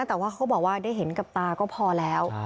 แต่ว่าเขาบอกว่าได้เห็นกับตาก็พอแล้ว